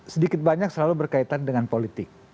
sedikit banyak selalu berkaitan dengan politik